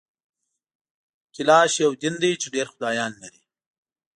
کلاش یو دین دی چي ډېر خدایان لري